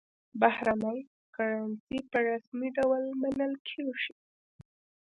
بهرنۍ کرنسي په رسمي ډول منل کېږي.